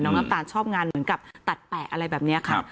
น้ำตาลชอบงานเหมือนกับตัดแปะอะไรแบบนี้ค่ะ